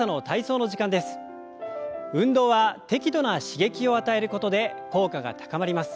運動は適度な刺激を与えることで効果が高まります。